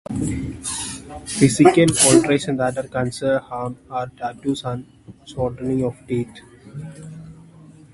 Physical alterations that are considered haram are tattoos and shortening of teeth.